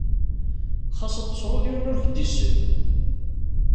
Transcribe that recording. Ɣas ad truḍ, yiwen ur k-d-isell.